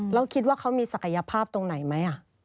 แล้วคิดว่าเขามีศักยภาพตรงไหนไหม